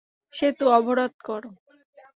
সেতু অবরোধ কর!